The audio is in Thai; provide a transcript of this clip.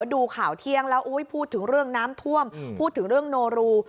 ดูข่าวเที่ยงแล้วพูดถึงเรื่องน้ำท่วมพูดถึงเรื่องโนรู